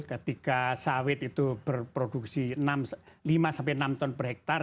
ketika sawit itu berproduksi lima sampai enam ton per hektare